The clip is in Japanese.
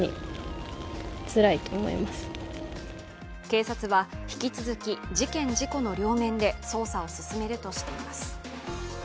警察は引き続き事件・事故の両面で捜査を進めるとしています。